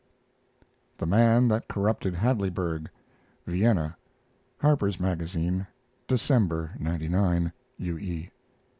THE MAN THAT CORRUPTED HADLEYBURG (Vienna) Harper's Magazine, December, '99 U. E.